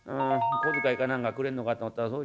小遣いか何かくれんのかと思ったらそうじゃないよ。